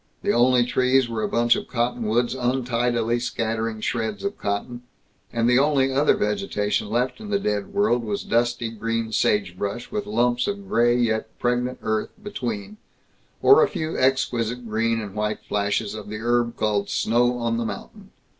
The only trees were a bunch of cottonwoods untidily scattering shreds of cotton, and the only other vegetation left in the dead world was dusty green sagebrush with lumps of gray yet pregnant earth between, or a few exquisite green and white flashes of the herb called Snow on the Mountain.